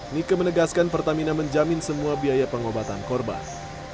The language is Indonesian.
nike menegaskan pertamina menjamin semua biaya pengobatan korban